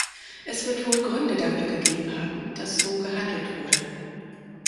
Es wird wohl Gründe dafür gegeben haben, dass so gehandelt wurde.